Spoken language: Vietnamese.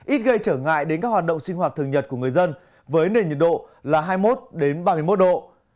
ít gây trở ngại đến các hoạt động sinh hoạt thường nhật của người dân với nền nhiệt độ là hai mươi một ba mươi một độ